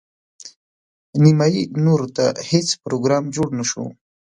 نیمايي نورو ته هیڅ پروګرام جوړ نه شو.